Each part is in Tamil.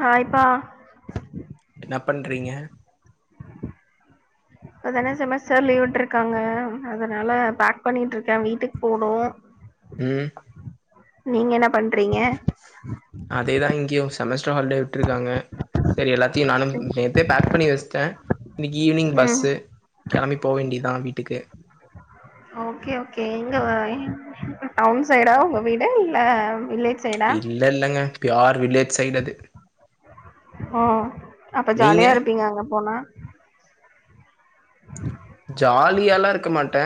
ஹாய்ப்பா என்ன பண்றீங்க இப்பதான செமஸ்டர் லீவுட்டுருக்காங்க அதனால பேக் பண்ணிகிட்டுருக்க வீட்டுக்கு போனு ம் நீங்க என்ன பண்றீங்க அதேதா இங்கியு செமஸ்டர் ஹாலிடே விட்டுருக்காங்க சரி எல்லாத்தையு நானும் சரி. நேத்தே பேக் பண்ணி வச்சிட்ட இன்னிக்கு ஈவினிங் ம் பஸ்சு கெளம்பி போ வேண்டியதா வீட்டுக்கு ஓகே ஓகே எங்க எங் டவுன் சைடா உங்க வீடு இல்லை வில்லேஜ் சைடா இல்ல இல்லங்க ப்யார் வில்லேஜ் சைடு அது ஓ அப்ப நீங்க ஜாலியா இருப்பீங்க அங்க போனா ஜாலியாலா இருக்க மாட்ட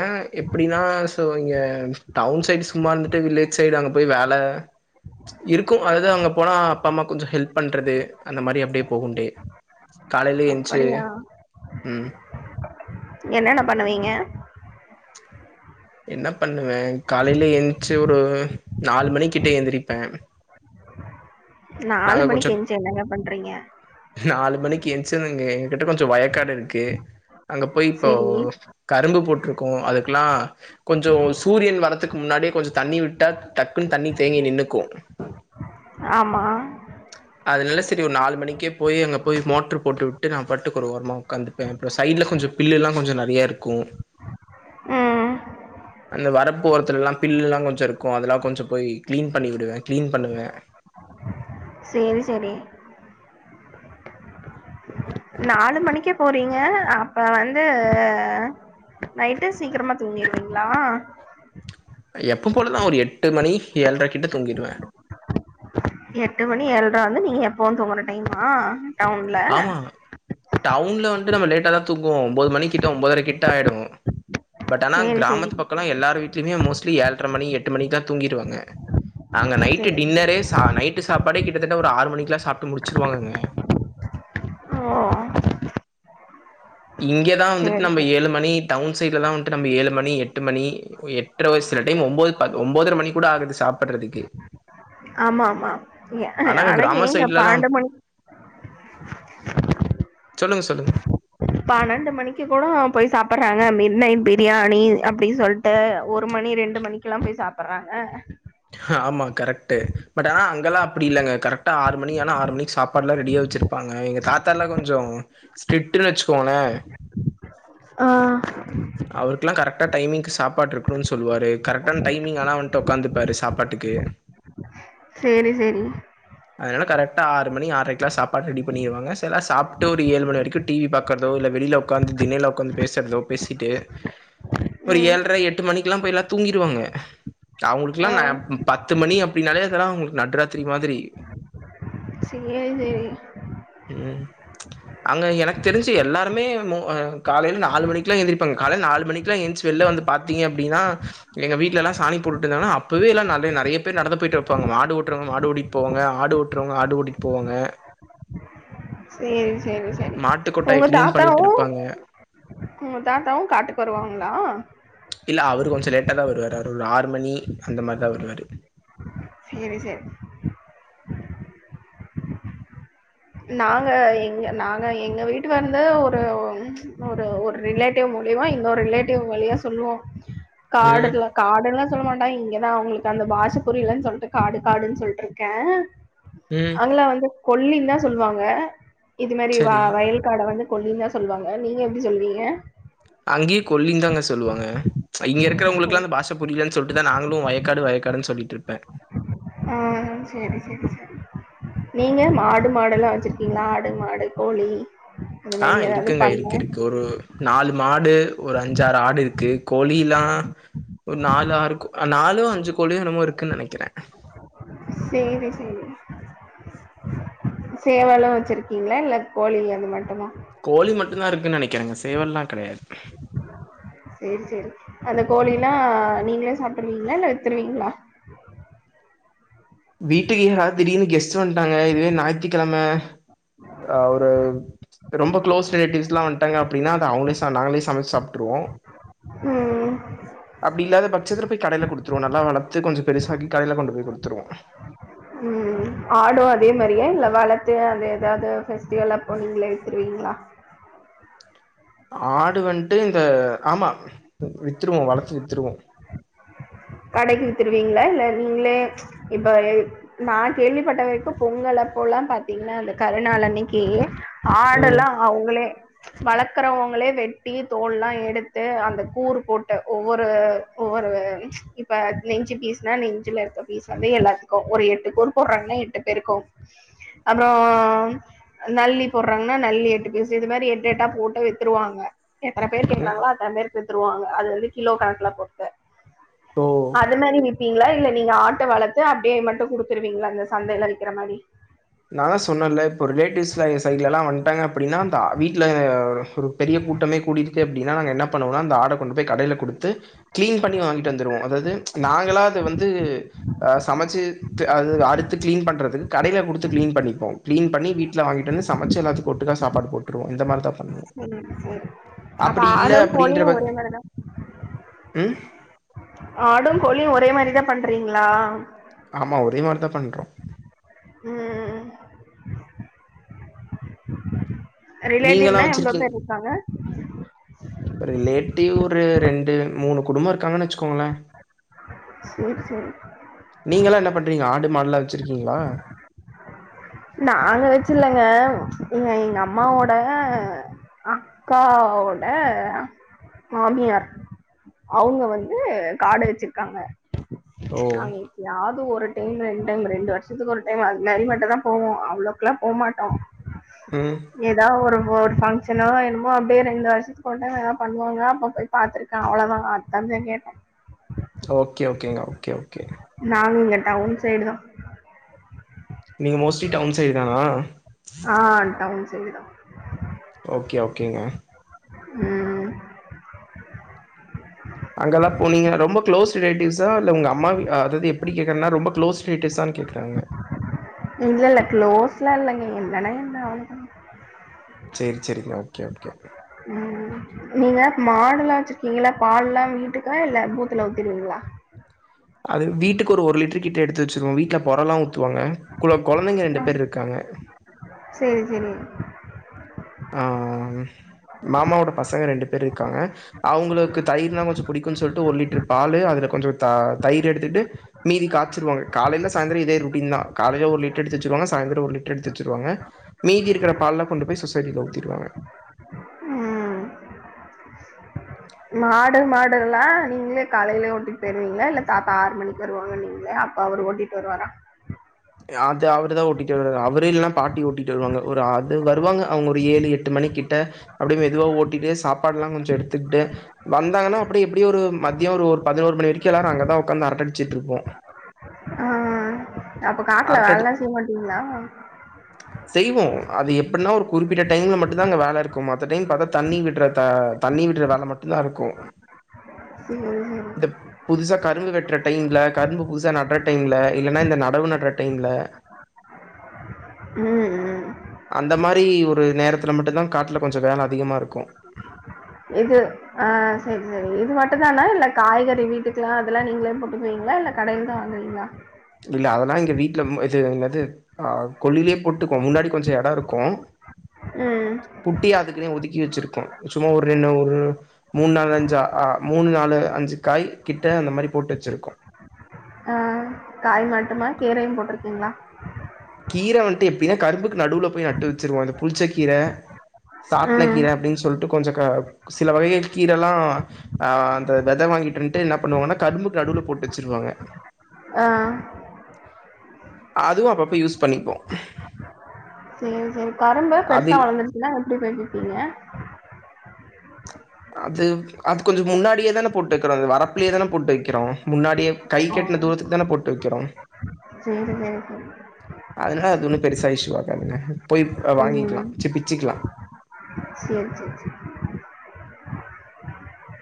எப்படின்னா சோ இங்க டவுன் சைட்ஸ் சும்மா இருந்துட்டு வில்லேஜ் சைடு அங்க போய் வேல இருக்கு அதாவது அங்க போனா அப்பா அம்மா கொஞ்ச ஹெல்ப் பண்றது அந்த மாரி அப்டே போககுண்டே காலையில என்ச்சு அப்படியா ம் என்னென்ன பண்ணுவீங்க என்ன பண்ணுவே காலையில எழுந்ச்சி ஒரு நாலு மணிக்கிட்டே எந்திரிப்ப நாலு கொஞ்சோ மணிக்கு எஞ்சி என்னங்க பண்றீங்க நாலு மணிக்கு எந்ச்சிரவங்க எங்க கிட்ட கொஞ்சோ வயக்காடு இருக்கு அங்க போய் இப்போ செரி கரும்பு போட்ருக்கோ அதுக்கெல்லா கொஞ்சோ சூரியன் வரதுக்கு முன்னாடியே கொஞ்சோ தண்ணி விட்டா டக்குன்னு தண்ணி தேங்கி நின்னுக்கு ஆமா அதனால சரி ஒரு நாலு மணிக்கே போய் அங்கே போய் மோட்டரு போட்டுவிட்டு நா பாட்டுக்கு ஒரு ஓரமா ஒக்காந்துப்ப அப்புறோ சைடுல கொஞ்சோ பில்லுல்லா கொஞ்சோ நறைய இருக்கு ம் அந்த வரப்பு ஒரத்துலலா பில்லுலா கொஞ்சோ இருக்கு அதெல்லா கொஞ்சம் போய் க்ளீன் பண்ணி விடுவ க்ளீன் பண்ணுவ சேரி சேரி நாலு மணிக்கே போறீங்க அப்ப வந்து அ நைட்டு சீக்கரமா தூங்கிருவீங்களா எப்பம் போலதா ஒரு எட்டு மணி ஏள்ர கிட்ட தூங்கிருவ எட்டு மணி ஏள்ரா வந்து நீங்க எப்பவு தூங்கற டைமா டவுன்ல? ஆமா டவுன்ல வந்துட்டு நம்ம லேட்டா தா தூங்குவோ ஒம்பது மணிக்கிட்ட ஒம்பதர கிட்ட ஆயிடு பட் ஆனா சேரி, சேரி. கிராமத்து பக்கோல்ல எல்லார வீட்லயுமே மோஸ்ட்லி ஏழ்ற மணி எட்டு மணிக்குல்லா தூங்கிடுவாங்க அங்க நைட்டு சேரி. டின்னரே சா நைட்டு சாப்பாடே கிட்டத்தட்ட ஒரு ஆறு மணிக்கலா சாப்ட்டு முடிச்சுருவாங்கங்க ஓ இங்க தா வந்துட்டு சேரி, நம்ம சேரி. ஏழு மணி டவுன் சைட்லலா வந்துட்டு நம்ம ஏழு மணி எட்டு மணி எட்ர வயசு சில டைம் ஒம்போது ஒன்பதர மணி கூட ஆகுது சாப்பட்றதுக்கு ஆமா ஆமா ஆனா அட கிராம ஏங்க சைட்லலா பன்னண்டு மணி சொல்லுங்க சொல்லுங்க பன்னண்டு மணிக்கு கூட போய் சாப்பட்றாங்க மிட் நைட் பிரியாணி அப்டின் சொல் இப்ப ஒரு மணி ரெண்டு மணிக்கெல்லா போய் சாப்பட்றாங்க ஆமா கரக்டு பட் ஆனா அங்கல்லா அப்டி இல்லங்க கரெக்டா ஆறு மணி ஆனா ஆறு மணிக்கு சாப்பாட்ல்லா ரெடியா வச்சிருப்பாங்க எங்க தாத்தால்லா கொஞ்சோ ஸ்ட்ன்னு வச்சுக்கோங்களே ஆ அவருக்கலா கரக்டா டைமிங்கு சாப்பாடு இருக்கணுனு சொல்லுவாரு கரெக்டான டைமிங் ஆனா வன்ட்டு உக்காந்துப்பாரு சாப்பாட்டுக்கு [inaudible] சேரி சேரி அதனால கரெட்டா ஆறு மணி ஆரைக்குலா சாப்பாடு ரெடி பண்ணிருவாங்க சிலா சாப்ட்டு ஒரு ஏழு மணி வரைக்கு டி வி பாக்கற்தோ இல்ல வெளில உக்காந்து திண்ணைல உக்காந்து பேசற்தோ பேசிட்டு ஒரு ம். ஏள்ர எட்டு மணிக்குலா போயல்லா தூங்கிருவாங்க அவுங்களுக்ல்லா ஆ. ந பத்து மணி அப்டின்னாலே அதெல்லா அவுங்களுக்கு நடுராத்திரி மாதிரி சேரி சேரி ம் அங்க எனக்கு தெரிஞ்சு எல்லாருமே காலைல நாலு மணிக்குல்லா எந்திரிப் காலைல நாலு மணிக்லா ஏஞ்சு வெள்ல வந்து பாத்தீங்க அப்டின்னா எங்க வீட்ல எல்லா சாணி போட்டுட்டு இருந்தாங்கன்னா அப்பவே எல்லா நெறைய நெறைய பேர் நடந்து போயிட்டு இருப்பாங்க மாடு ஓட்றவங்க மாடோடி போவாங்க ஆடு ஓட்றவங்க ஆடு ஓட்டிட்டு போவாங்க சேரி சேரி சேரி மாட்டு கொட்டாய உங்க கிளீன் பண்ணிட்டு தாத்தாவு இருப்பாங்க உங்க தாத்தாவு காட்டுக்கு வருவாங்களா இல்ல அவரு கொஞ்ச லேட்டா தா வருவாரு அவர் ஒரு ஆறு மணி அந்த மாரி தா வருவாரு சேரி சேரி நாங்க எங்க நாங்க எங்க வீட்டு வந்து ஒரு ஒரு ஒரு ரிலேட்டிவ் மூலியமா இன்னொரு ரிலேட்டிவ் வழியா சொல்லுவோ ம் காடுல காடுன்லா சொல்ல மாட்டா இங்கதா அவுங்களுக்கு அந்த பாஷ புரிலன்னு சொல்ட்டு காடு காடுன்னு சொல்லிட்டுருக்க ம் அங்களா வந்து கொல்லின்தா சொல்லுவாங்க இது மாரி சரி வயல் காட வந்து கொல்லின்தா சொல்வாங்க நீங்க எப்டி சொல்வீங்க அங்கே கொல்லின் தாங்க சொல்வாங்க இங்க இருக்கறவங்களுக்குலா இந்த பாஷ புரிலன்னு சொல்ட்டுதா நாங்களு வயக்காடு வயக்காடுன்னு சொல்லிட்டுருப்பே ஆ சேரி சேரி நீங்க மாடு மாடெல்லா வச்சிருக்கீங்களா ஆடு மாடு கோழி அந்த ஆ மாரி ஏதாவது இருக்குங்க பண்ண இருக்கு இருக்கு ஒரு நாலு மாடு ஒரு அஞ்சாறு ஆடு இருக்கு கோழில்லா ஒரு நாலு ஆறு கோ நாலு அஞ்சு கோழியு என்னமோ இருக்குன்னு நெனக்கிறே சேரி சேரி சேவலு வச்சிருக்கீங்ளா இல்ல கோழி அது மட்டுமா கோழி மட்டுந்தா இருக்குன் நெனக்கிறேங்க சேவல்லா கெடையாது சேரி சேரி அந்த கோழில்லா நீங்களே சாப்ட்ருவீங்களா இல்ல வித்துருவீங்ளா வீட்டுக்கு யாராவ்து திடீர்னு கெஸ்ட் வந்துட்டாங்க இதுவே ஞாயித்துக்கெழம அ ஒரு ரொம்ப க்ளோஸ் ரிலேட்டிவ்ஸ்ல்லா வந்ட்டாங்க அப்டின்னா அத அவுங்களே ச நாங்களே சமச்சு சாப்ட்ருவோ ம் [inaudible] அப்டி இல்லாத பட்சத்துல போய் கடயில குடுத்துருவோ நல்லா வளத்து கொஞ்சொ பெருசாகி கடயில கொண்டு போய் குடுத்துருவோ ம் ஆடூ அதே மாரியா இல்ல வளத்து அத எதாவ்து ஃபெஸ்டிவலப்போ நீங்களே வித்துருவீங்ளா ஆடு வன்ட்டு இந்த ஆமா வித்துருவோ வளத்து வித்துருவோ கடக்கி வித்திருவீங்ளா இல்ல நீங்ளே இப்ப நா கேள்விப்பட்டவரைக்கூ பொங்கலப்போல்லா பாத்தீங்ன்னா இந்த கருணாளன்னைக்கி ம் ஆடெல்லா அவுங்களே வளக்கறவுங்களே வெட்டி தோல்லா எடுத்து அந்த கூறு போட்டு ஒவ்வொரு ஒவ்வொருவ இப்ப நெஞ்சு பீஸ்னா நெஞ்சுல இருக்க பீஸ் வந்து எல்லாத்துக்கூ ஒரு எட்டு கூர் போட்றாங்கன்னா எட்டு பேருக்கூ அப்றோ நல்லி போட்றாங்கன்னா நல்லி எட்டு பீசு இது மாறி எட்டு எட்டா போட்டு வித்துருவாங்க எத்தன பேரு ம் கேக்றாங்களோ அத்தன பேருக்கு வித்ருவாங்க அது வந்து கிலோ கணக்குல போட்டு ஓ அது மாறி விப்பீங்ளா இல்ல நீங்க ஆட்ட வளத்து அப்டியே மட்டு குடுத்துருவீங்ளா இந்த சந்தையில விக்கிற மாறி நா தா சொன்னல்ல இப்போ ரிலேட்டிவ்ஸ்லா எங்க சைட்லலா வன்ட்டாங்க அப்டின்னா ஆ வீட்ல பெரிய கூட்டமே கூடிடுச்சு அப்டின்னா நாங்க என்ன பண்ணுவோனா அந்த ஆட கொண்டு போய் கடையில குடுத்து க்ளீன் பண்ணி வாங்கிட்டு வந்துருவோ அதாவ்து நாங்களா அத வந்து ஆ சமச்சுத்து அது அடுத்து க்ளீன் பண்றதுக்கு கடையில குடுத்து து க்ளீன் பண்ணிப்போ க்ளீன் பண்ணி வீட்ல வாங்கிட்டு வந்து ச சமச்சு எல்லாத்துக் ஒட்டுகா சாப்பாடு போட்டுருவோ இந்த மாறிதா பன்னுவோ ம் சேரி அப்ப அப்டி இல்ல ஆடு அப்டின்ற கோழியு பச் ஒரே ம் ஆடுங் கோழியு ஒரே மாறிதா பண்றீங்ளா ஆமா ஒரேமாறிதா பண்றோ ம் நீங்கல்லா ரிலேட்டிவ்னா எவ்ளோ வச்சிருக்கீங் பேர் இருக்காங்க ரிலேட்டிவ் ஒரு ரெண்டு மூணு குடும்பொ இருக்காங்கன்னு வச்சுக்கோங்கள செரி செரி நீங்களா என்ன பண்றீங்க ஆடு மாடுலா வச்சுருக்கீங்ளா நாங்க வச்சில்லங்க எங்க எங்க அம்மாவோட அக்காவோட மாமியார் அவுங்க வந்து காடு வச்சிருக்காங்க ஓ அங்க எப்பயாவ்து ஒரு டைம் ரெண்டு டைம் ரெண்டு வருஷத்துக்கு ஒரு டைம் அதுமாறி மட்டுந்தா போவோ அவ்ளோக்ல்லா போமாட்டோ ம் எதா ஒரு ஒ ஃபங்ஷனோ என்னமோ அப்டியே ரெண்டு வருஷத்துக்கு ஒரு டைம் எதா பண்ணுவாங்க அப்டியே பாத்துருக்க அவ்ளோதா அத்தந்த கேட்டே ஓகே ஓகேங்க ஓகே ஓகே நாங் இங்க டவுன் சைடு தா நீங்க மோஸ்ட்லி டவுன் சைடு தானா ஆ டவுன் சைடுதா ஓகே ஓகேங்க ம் அங்கல்லா போனீங்க ரொம்ப க்ளோஸ் ரிலேட்டிவ்ஸா இல்ல உங்க அம்மா அதாது எப்புடி கேக்குறன்னா ரொம்ப க்ளோஸ் ரிலேடிவ்ஸான் கேக்குற அவுங்க இல்ல இல்ல க்ளோஸ்லா இல்லைங்க என்னான்னா என்னா அவ்ளோ சேரிச்சேரிக்கா ஓகே ஓகே ம் நீங்க மாடுலா வச்சிருக்கீங்கள பால்லா வீட்டுக்கா இல்ல பூத்துல ஊத்திடுவீங்களா அது வீட்டுக்கு ஒரு ஒரு லிட்டர்கிட்ட எடுத்து வச்சிருவோ வீட்ல பொறலா ஊத்துவாங்க கூட கொழந்தைங்க ரெண்டு பேர் இருக்காங்க சேரி சேரி ஆ ஆமாங்க மாமாவோட பசங்க ரெண்டு பேர் இருக்காங்க அவுங்களுக்கு தயிர்னா கொஞ்சொ புடிக்குன்னு சொல்ட்டு ஒரு லிட்டர் பால்லு அதுல கொஞ்சொ த தயிர் எடுத்துட்டு மீதி காச்சிருவாங்க காலயில சாயந்தரொ இதே ரொட்டீன்தா காலையில ஒரு லிட்டர் எடுத்துச்சிருவாங்க சாயந்திரம் ஒரு லிட்டர் எடுத்துச்சிருவாங்க மீதி இருக்கிற பால்லா கொண்டு போய் சொசைட்டீல ஊத்திடுவாங்க ம் மாடு மாடெல்லா நீங்களே காலயிலே ஓட்டிட்டு போயிருவீங்களா இல்ல தாத்தா ஆறு மணிக்கு வருவாங்கனிங்களே அப்ப அவரு ஓட்டிட்டு வருவாரா அது அவருதா ஓட்டிட்டு வருவாரு அவரு இல்லன பாட்டி ஓட்டிட்டு வருவாங்க ஒரு அது வருவாங்க அவங்க ஒரு ஏழு எட்டு மணி கிட்ட அப்டியே மெதுவா ஓட்டிட்டு சாப்பாடுல்லா கொஞ்ச எடுத்துக்கிட்டு வந்தாங்கன்னா அப்டி இப்டி ஒரு மத்ய ஒரு பதினோரு மணி வரைக்கும் எல்லாரும் அங்கதா உக்காந்து அரட்டடிச்சிட்டு இருப்போ ஆ அப்ப காட்ல அரட்ட வேலல்லா செய்ய மாட்டீங்ளா செய்வோ அது எப்டின்னா ஒரு குறிப்பிட்ட டைம்ல மட்டுந்தா அங்க வேல இருக்கு மத்த டைம் பாத்தா தண்ணி விட்றத தண்ணி விடுற வேல மட்டுந்தா இருக்கு சேரி புதுசா கரும்பு வெட்ற டைம்ல கரும்பு புதுசா நட்ற டைம்ல இல்லனா இந்த நடவு நட்ற டைம்ல ம் ம் அந்த மாரி ஒரு நேரத்தில மட்டுந்தா காட்ல கொஞ்ச வேல அதிகமாக இருக்கு இது ஆ சேரி சேரி இது மட்டுந்தானா இல்ல காய்கறி வீட்டுக்கெல்லா அதெல்லா நீங்களே போட்டுப்பீங்களா இல்ல கடையில தா வாங்குவீங்களா இல்ல அதெல்லா எங்க வீட்டுல இது என்னது ஆ கொள்லயே போட்டுக்கோ முன்னாடி கொஞ்சொ எட இருக்கு ம் குட்டி அதுக்குனே ஒதுக்கி வச்சிருக்கோ சும்மா ஒரு என்ன ஒரு மூணு நாலு அஞ்சு அ மூணு நாலு அஞ்சு காய் கிட்ட அந்த மாரி போட்டு வச்சிருக்கோ ஆ காய் மட்டுமா கீரயு போட்ருக்கீங்களா கீர வந்ட்டு எப்டினா கரும்புக்கு நடுவுல போய் நட்டு வச்சருவோ இந்த புளிச்சக்கீர சாட்ன ம் கீர அப்டின் சொல்ட்டு கொஞ்ச க சில வகைய கீரல்லா ஆ அந்த வெத வாங்கிட்டுன்ட்டு என்ன பண்ணுவோன்னா கரும்புக்கு நடுவுல போட்டு வச்சிருவாங்க ஆ அதுவு அப்பப்ப யூஸ் பண்ணிப்போ சேரி சேரி கரும்பு பெருசா அதில் வளந்துருச்சுனா எப்டி பறிச்சீபீங்க அது அது கொஞ்சோ முன்னாடியே தான போட்டு வைக்கிறோ அது வரப்பிலயே தான போட்டு வைக்கிறோ முன்னாடியே கைக்கு எட்டுனா தூரத்துக்கு தான போட்டு வைக்கிறோ சேரி சேரி சேரி அதனால அது ஒண்ணு பெருசா இஷூவாக்காதுங்க போய் அப்றோ வாங்கிக்கலா ம் சி பிச்சுக்கலா சேரி சேரி சே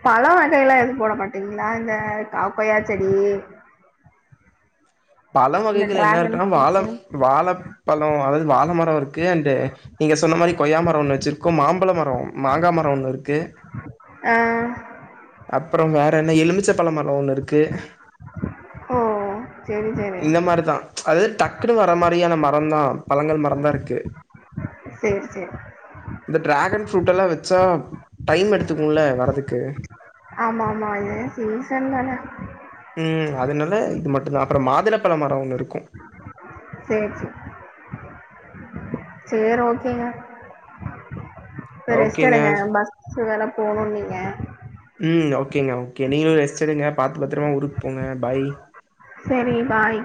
பழ வகையேல்லா எது போட மாட்டீங்களா இந்த கா கொயாச் செடி பழ இந்த வகைகள் என்ன டிராகன் இருக்குன்னா வாழ ஃப்ரூட்டு வாழப் பழோ அதாவது வாழை மரோ இருக்கு அண்டு நீங்க சொன்ன மாரி கொய்யாமரோ ஒண்ணு வச்சிருக்கோம் மாம்பழ மரோ மாங்கா மரோ ஒண்ணு இருக்கு ஆ அப்பறோ வேற என்ன எலுமிச்ச பழமரோ ஒண்ணு இருக்கு ஓ சேரி சேரி இந்த மாரிதா அது டக்குன்னு வர மாரியான மரந் தா பழங்கள் மரம் தா இருக்கு சேரி சேரி இந்த ட்ராகன் ஃப்ரூட்டெல்லா வச்சா டைம் எடுத்துக்குல வரதுக்கு ஆமா ஆமா ஏ சீசன் தான ம் அதனால இது மட்டு தா அப்பறோ மாதுளப்பழ மரோ ஒன்னு இருக்கு சேரி சேரி சேரி ஓகேங்க போய் ரெஸ்ட்டு ஓகேங்க எடுங்க பஸ்சு வேல போணு நீங்க ம் ஓகேங்க ஓகே நீங்களு ரெஸ்ட்டு எடுங்க பாத்து பத்தரமா ஊருக்கு போங்க பாய் செரி பாய்